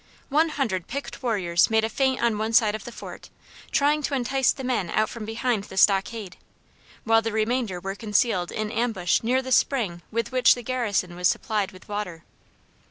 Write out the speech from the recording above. One hundred picked warriors made a feint on one side of the fort, trying to entice the men out from behind the stockade, while the remainder were concealed in ambush near the spring with which the garrison was supplied with water.